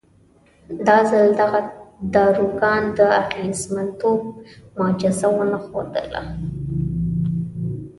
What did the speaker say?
دا ځل دغه داروګان د اغېزمنتوب معجزه ونه ښودله.